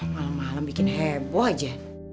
malam malam bikin heboh aja